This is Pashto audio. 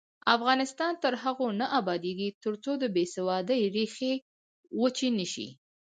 افغانستان تر هغو نه ابادیږي، ترڅو د بې سوادۍ ریښې وچې نشي.